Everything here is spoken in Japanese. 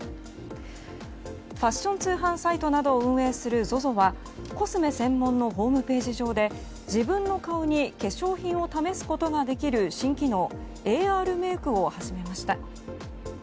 ファッション通販サイトなどを運営するＺＯＺＯはコスメ専門のホームページ上で自分の顔に化粧品を試すことができる新機能ＡＲメイクを始めました。